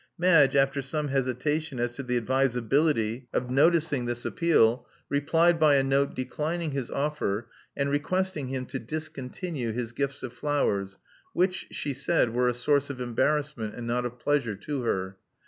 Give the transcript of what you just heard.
Madge after some hesitation as to the advisability of noticing 156 Love Among the Artists this appeal, replied by a note declining his offer, and requesting him to discontinue his gifts of flowers, which, she said, were a source of embarrassment, and not of pleasure, to her.